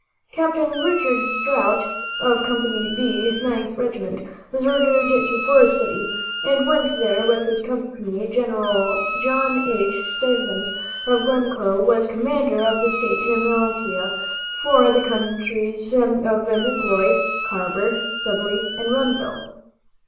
Capt. Richard Strout, of Company "B," Ninth Regiment, was ordered to Forest City, and went there with his company. Gen. John H. Stevens of Glencoe was commander of the state militia for the counties of McLeod, Carver, Sibley and Renville.